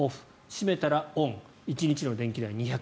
閉めたらオン、１日の電気代２０２円。